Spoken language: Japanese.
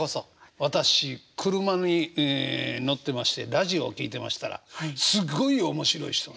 私車に乗ってましてラジオを聞いてましたらすごい面白い人がいて。